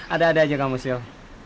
ada ada aja kamu sil